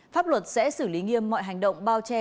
pháp luật sẽ xử lý nghiêm mọi hành động bao che